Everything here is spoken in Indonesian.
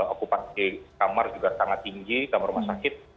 okupansi kamar juga sangat tinggi kamar rumah sakit